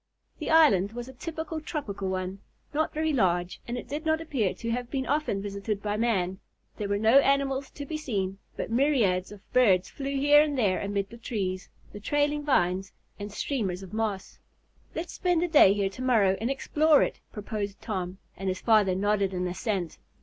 The island was a typical tropical one, not very large, and it did not appear to have been often visited by man. There were no animals to be seen, but myriads of birds flew here and there amid the trees, the trailing vines and streamers of moss. "Let's spend a day here to morrow and explore it," proposed Tom, and his father nodded an assent.